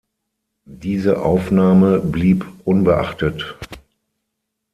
Diese Aufnahme blieb unbeachtet.